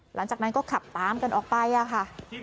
หลังจากนั้นก็ขับตามกันออกไปค่ะ